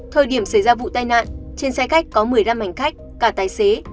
thời điểm xảy ra vụ tai nạn trên xe khách có một mươi năm hành khách cả tài xế